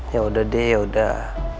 yaudah deh yaudah